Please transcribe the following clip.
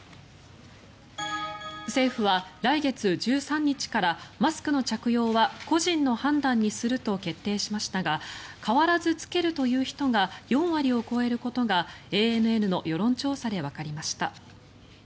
政府は来月１３日からマスクの着用は個人の判断にすると決定しましたが変わらず着けるという人が４割を超えることがＡＮＮの世論調査でわかりました。